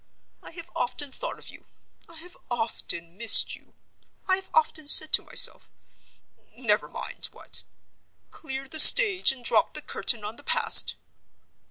I have often thought of you; I have often missed you; I have often said to myself—never mind what! Clear the stage, and drop the curtain on the past.